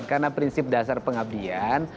karena prinsip dasar pengabdian